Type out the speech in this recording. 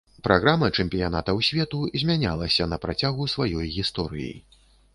Праграма чэмпіянатаў свету змянялася на працягу сваёй гісторыі.